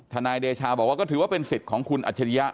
นายเดชาบอกว่าก็ถือว่าเป็นสิทธิ์ของคุณอัจฉริยะ